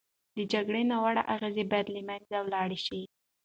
د جګړې ناوړه اغېزې باید له منځه لاړې شي.